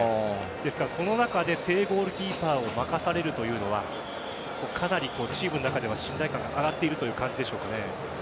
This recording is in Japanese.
ですから、その中で正ゴールキーパーを任されるというのはかなりチームの中では信頼感が上がっているというそうでしょうね。